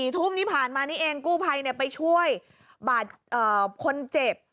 ทุ่มที่ผ่านมานี่เองกู้ภัยไปช่วยบาดคนเจ็บ